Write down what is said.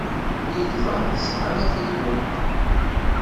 Igḍaḍ sɛan afriwen.